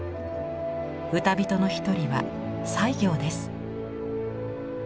歌人の一人は西行です。